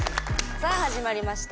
さあ始まりました。